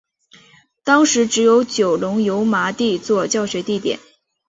当时只有九龙油麻地作教学地点。